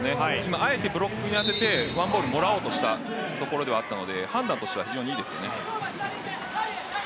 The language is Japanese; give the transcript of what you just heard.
あえてブロックに当ててワンボールもらおうとしたところではあったので判断としては非常にいいです。